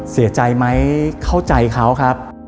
เสียใจไหมเข้าใจเขาครับ